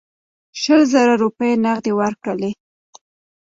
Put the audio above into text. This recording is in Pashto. شل زره روپۍ نغدي ورکړل.